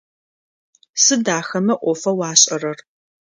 Сыд ахэмэ ӏофэу ашӏэрэр?